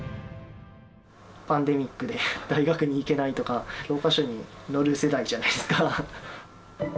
パンデミックで大学に行けないとか、教科書に載る世代じゃないですか。